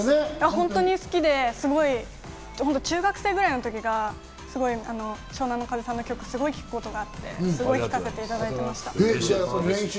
本当に好きで、中学生くらいの時が湘南乃風さんの曲をすごく聴くことがあって、すごく聴かせていただきました。